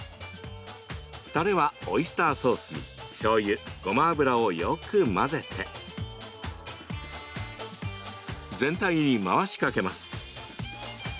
たれはオイスターソースにしょうゆ、ごま油をよく混ぜて全体に回しかけます。